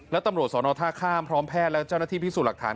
และตำรวจสอนอท่าข้ามพร้อมแพทย์และเจ้าหน้าที่พิสูจน์หลักฐาน